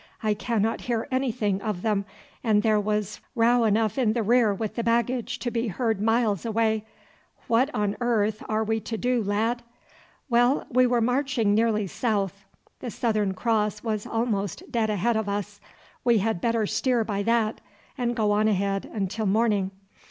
"I cannot hear anything of them, and there was row enough in the rear with the baggage to be heard miles away. What on on earth are we to do, lad?" "Well, we were marching nearly south. The Southern Cross was almost dead ahead of us. We had better steer by that, and go on ahead until morning."